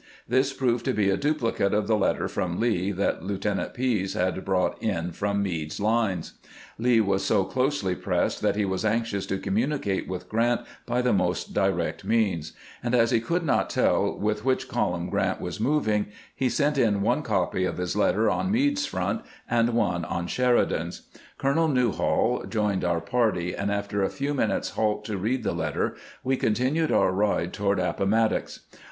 This proved to be a duplicate of the letter from Lee that Lieutenant Pease had brought in from Meade's lines. Lee was so closely pressed that he was anxious 468 CAMPAIGNING WITH GRANT to commTinieate with Q rant by the most direct means ; and as he could not tell with which* column Grant was moving, he sent in one copy of his letter on Meade's front, and one on Sheridan's. Colonel Newhall joined our party, and after a few minutes' halt to read the letter we continued our ride toward Appomattox.